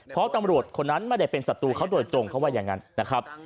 เพราะตำรวจคนนั้นไม่ได้เป็นศัตรูเขาโดยตรงเขาว่าอย่างนั้นนะครับ